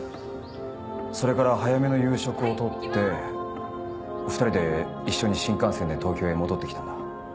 それから早めの夕食をとって２人で一緒に新幹線で東京へ戻ってきたんだ。